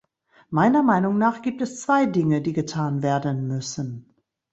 Meiner Meinung nach gibt es zwei Dinge, die getan werden müssen.